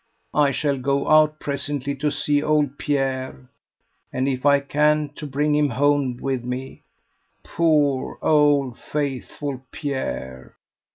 I shall go out presently to see old Pierre, and, if I can, to bring him home with me. Poor old faithful Pierre!"